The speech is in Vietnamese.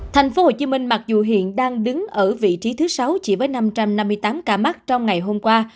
thành phố hồ chí minh mặc dù hiện đang đứng ở vị trí thứ sáu chỉ với năm trăm năm mươi tám ca mắc trong ngày hôm qua